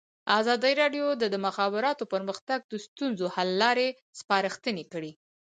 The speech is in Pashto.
ازادي راډیو د د مخابراتو پرمختګ د ستونزو حل لارې سپارښتنې کړي.